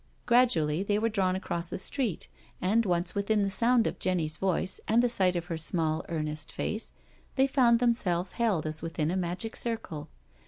Gradually they were drawn across the street, and once within the sound of Jenny's voice and the sight of her small, earnest face, they found themselves held as within a magic circle.